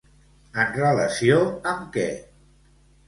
En relació amb què?